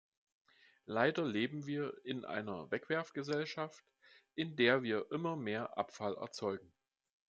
Leider leben wir in einer Wegwerfgesellschaft, in der wir immer mehr Abfall erzeugen.